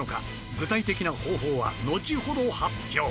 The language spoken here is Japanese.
具体的な方法はのちほど発表。